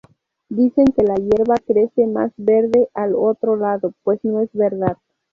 Dicen que la hierba crece más verde al otro lado… pues no es verdad.